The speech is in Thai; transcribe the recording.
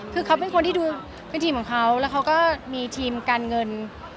คือเขาเป็นคนที่ดูเป็นทีมของเขาแล้วเขาก็มีทีมการเงิน